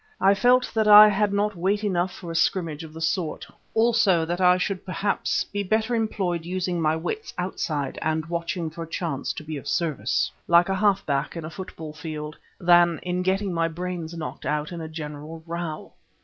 I felt that I had not weight enough for a scrimmage of the sort, also that I should perhaps be better employed using my wits outside and watching for a chance to be of service, like a half back in a football field, than in getting my brains knocked out in a general row.